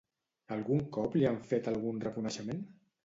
Algun cop li han fet algun reconeixement?